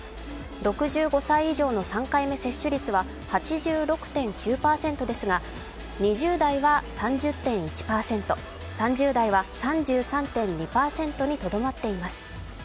６５歳以上の３回目接種率は８６．９％ですが２０代は３０．１％３０代は３３．２％にとどまっています。